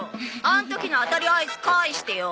あの時の当たりアイス返してよ。